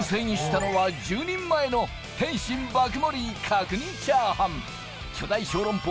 挑戦したのは１０人前の点心爆盛り角煮チャーハン。